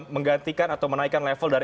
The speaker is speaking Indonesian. menggantikan atau menaikkan level dari